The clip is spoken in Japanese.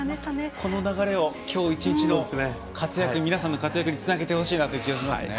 この流れを今日１日の皆さんの活躍につなげてほしい気がします。